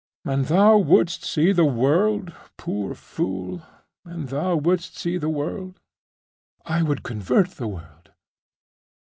'And thou wouldst see the world, poor fool? And thou wouldst see the world?' 'I would convert the world!